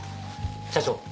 社長